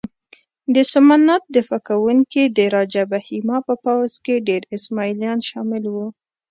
د سومنات دفاع کوونکي د راجه بهیما په پوځ کې ډېر اسماعیلیان شامل وو.